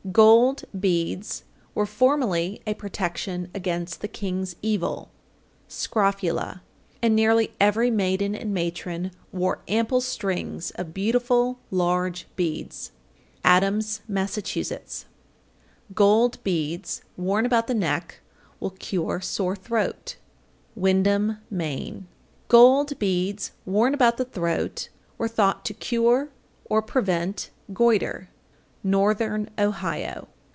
Gold beads were formerly a protection against the "King's Evil" (scrofula), and nearly every maiden and matron wore ample strings of beautiful large beads. Adams, Mass. 797. Gold beads worn about the neck will cure sore throat. Windham, Me. 798. Gold beads worn about the throat were thought to cure or or prevent goître. _Northern Ohio.